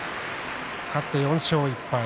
勝って４勝１敗。